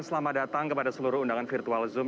selamat datang kepada seluruh undangan virtual zoom